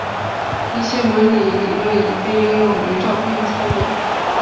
一些伦理理论已被应用于照片操作。